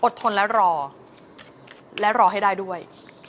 ทนและรอและรอให้ได้ด้วย